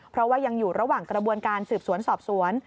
เพราะว่ายังอยู่ระหว่างกระบวนการสืบสวนสอบสวน